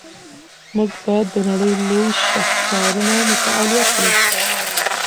موږ باید د نړۍ لوی شاهکارونه مطالعه کړو.